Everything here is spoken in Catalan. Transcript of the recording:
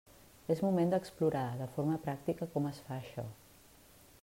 És moment d'explorar de forma pràctica com es fa això.